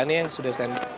ini yang sudah stand up